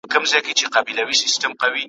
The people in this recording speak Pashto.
مستول چي مي جامونه هغه نه یم ,